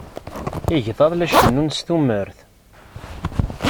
Igḍaḍ la cennun s tumert.